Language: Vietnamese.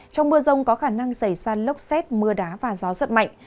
trong mưa rông có khả năng xảy ra lốc xét mưa đá và gió giật mạnh